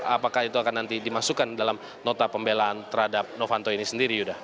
apakah itu akan nanti dimasukkan dalam nota pembelaan terhadap novanto ini sendiri yuda